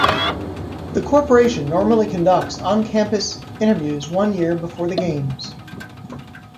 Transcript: The corporation normally conducts on-campus interviews one year before the games.